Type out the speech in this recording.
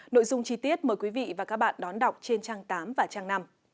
nội dung chi tiết mời quý vị và các bạn đón đọc trên trang tám và trang năm